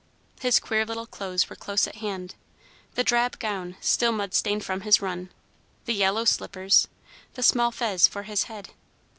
His queer little clothes were close at hand, the drab gown, still mud stained from his run, the yellow slippers, the small fez for his head.